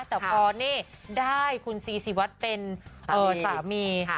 แต่พอนี่ได้คุณซีซีวัดเป็นสามี